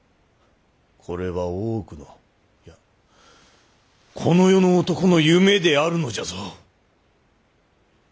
これは大奥のいやこの世の男の夢であるのじゃぞ。